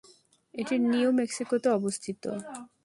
এটি নিউ মেক্সিকোতে অবস্থিত।